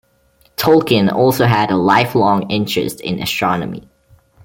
Tolkien also had a lifelong interest in astronomy.